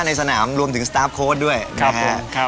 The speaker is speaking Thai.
ในสนามรวมถึงสตาร์ฟโค้ดด้วยนะฮะ